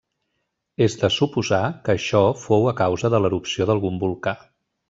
És de suposar que això fou a causa de l'erupció d'algun volcà.